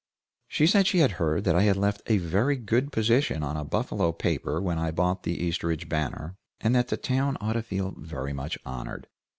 She said she had heard that I had left a very good position on a Buffalo paper when I bought the Eastridge Banner, and that the town ought to feel very much honored.